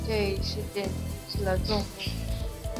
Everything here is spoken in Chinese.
这一事件激起了众怒。